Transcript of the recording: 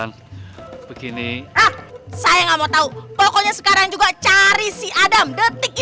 nenek mandiin ya focusing